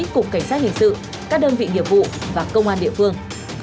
cục cảnh sát hình sự các đơn vị nghiệp vụ và công an địa phương